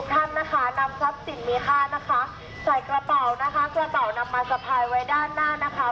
กระเป๋านำมาสะพายไว้ด้านหน้านะคะ